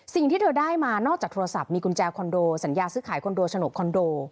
สิ่งที่เธอได้มานอกจากโทรศัพท์มีกุญแจคอนโดสัญญาซื้อขายคอนโดฉนกคอนโด